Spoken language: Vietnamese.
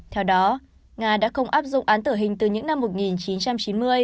theo đó nga đã không áp dụng án tử hình từ những năm một nghìn chín trăm chín mươi